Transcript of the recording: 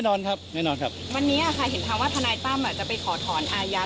วันนี้อ่ะคะเห็นทางว่าฐานายต้ำอ่ะจะไปขอธรรมอายัต